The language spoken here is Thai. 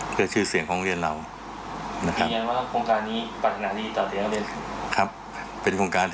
เพื่อชื่อเสียงของเรา